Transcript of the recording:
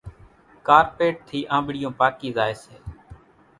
ڪارپيٽ ٿِي آنٻڙِيون پاڪِي زائيَ سي۔